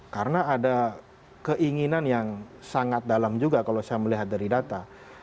karena ada keinginan yang sangat dalam juga kalau saya melihat dari data